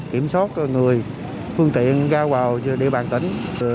kiểm soát người phương tiện ra vào địa bàn tỉnh